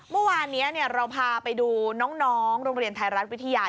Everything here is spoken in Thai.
เมื่อวานนี้เราพาไปดูน้องโรงเรียนไทยรัฐวิทยา